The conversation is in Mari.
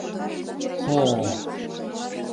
Хо-о!